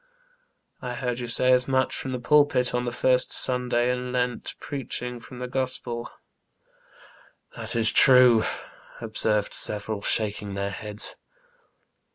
I heard you say as much from the pulpit on the first Sunday in Lent, preaching from the Gospel." " That is true," observed several, shaking their heads.